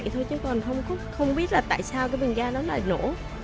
thôi chứ còn không biết là tại sao cái bình ga nó lại lỗ